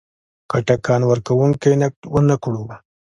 که ټکان ورکونکی نقد ونه کړو.